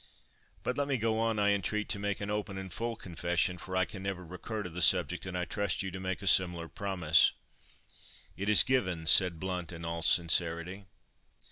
"But, let me go on, I entreat, to make open and full confession, for I can never recur to the subject, and I trust you to make a similar promise." "It is given," said Blount in all sincerity.